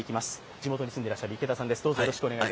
地元に住んでいる池田さんです。